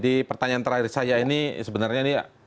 di pertanyaan terakhir saya ini sebenarnya ini